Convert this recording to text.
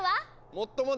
もっともだ！